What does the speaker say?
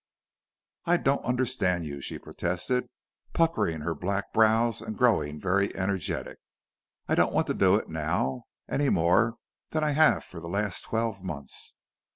"I don't understand you," she protested, puckering her black brows and growing very energetic. "I don't want to do it now any more than I have for the last twelve months.